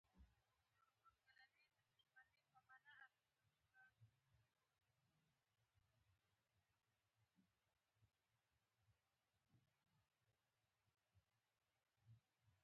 دوکاندار له دوکان نه د خیر تمه لري.